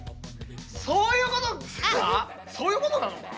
そういうことかそういうことなのか？